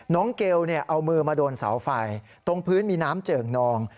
เกลเอามือมาโดนเสาไฟตรงพื้นมีน้ำเจิ่งนอง